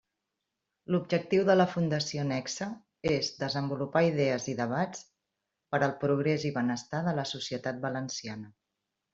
L'objectiu de la Fundació Nexe és desenvolupar idees i debats per al progrés i benestar de la societat valenciana.